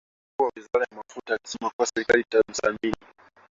Katibu Mkuu wa Wizara ya Mafuta alisema kuwa serikali itatathmini